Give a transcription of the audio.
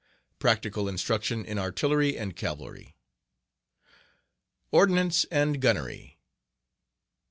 Practical Instruction in Artillery and Cavalry. Ordnance and Gunnery......